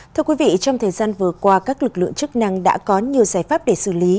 thưa quý vị trong thời gian vừa qua các lực lượng chức năng đã có nhiều giải pháp để xử lý